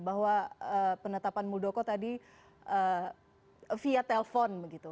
bahwa penetapan muldoko tadi via telpon begitu